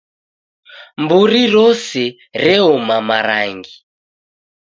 Mburi rose reoma marangi